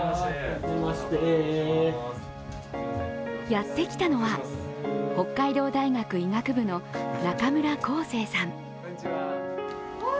やってきたのは、北海道大学医学部の中村恒星さん。